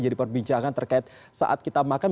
jadi perbincangan terkait saat kita makan